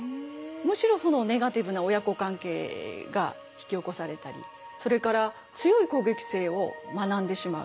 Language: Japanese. むしろネガティブな親子関係が引き起こされたりそれから強い攻撃性を学んでしまう。